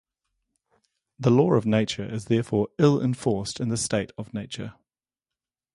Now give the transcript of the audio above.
The law of nature is therefore ill enforced in the state of nature.